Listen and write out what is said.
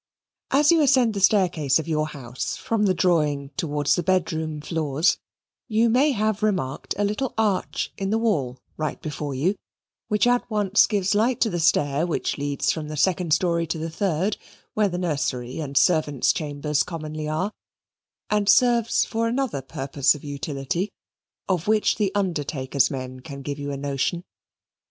As you ascend the staircase of your house from the drawing towards the bedroom floors, you may have remarked a little arch in the wall right before you, which at once gives light to the stair which leads from the second story to the third (where the nursery and servants' chambers commonly are) and serves for another purpose of utility, of which the undertaker's men can give you a notion.